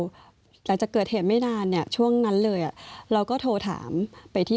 หลังจากเกิดเหตุไม่นานเนี่ยช่วงนั้นเลยอ่ะเราก็โทรถามไปที่